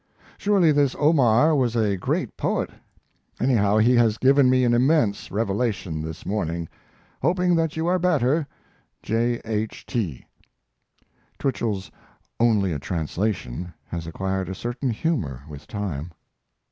"Surely this Omar was a great poet. Anyhow, he has given me an immense revelation this morning. "Hoping that you are better, J. H. T." Twichell's "only a translation" has acquired a certain humor with time.